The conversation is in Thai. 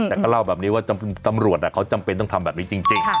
แต่ก็เล่าแบบนี้ว่าตำรวจเขาจำเป็นต้องทำแบบนี้จริง